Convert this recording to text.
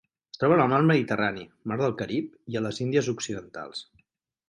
Es troba en el mar Mediterrani, mar del Carib i a les Índies Occidentals.